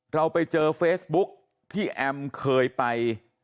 เราไปเจอเฟซบุ๊กที่แอมเคยไป